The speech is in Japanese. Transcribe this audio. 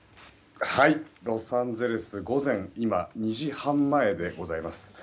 ロサンゼルス午前２時半前でございます。